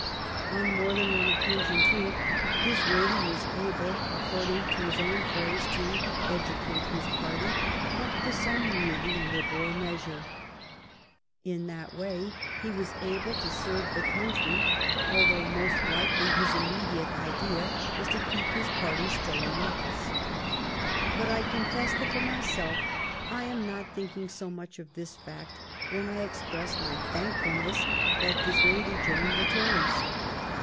On more than one occasion, too, Disraeli was able, accord ing to his own phrase, to " educate his party " up to some really liberal measure. In that way he was able to serve the country, although most likely his immediate idea was to keep his party l62 THE STORY OF GLADSTONE'S LIFE still in office. But I confess that, for myself, I am not thinking so much of this fact when I ex press my thankfulness that Disraeli joined the Tories.